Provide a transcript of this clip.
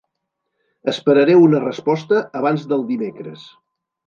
Esperaré una resposta abans del dimecres.